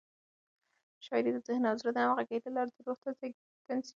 شاعري د ذهن او زړه د همغږۍ له لارې د روح تازه ګي تضمینوي.